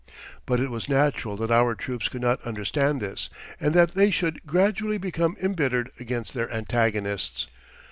But it was natural that our troops could not understand this, and that they should gradually become embittered against their antagonists.